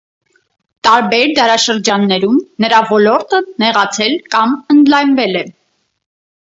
Տարբեր դարաշրջաններում նրա ոլորտը նեղացել կամ ընդլայնվել է։